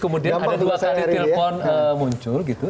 kemudian ada dua kali telpon muncul gitu